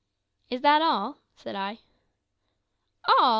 "Is that all?" said I. "All!"